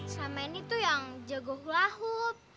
selama ini tuh yang jago hulahut